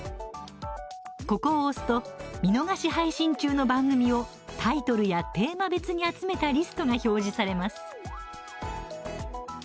ここを押すと見逃し配信中の番組をタイトルやテーマ別に集めたリストが表示されます。